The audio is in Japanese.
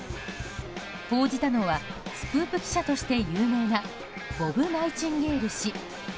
報じたのはスクープ記者として有名なボブ・ナイチンゲール氏。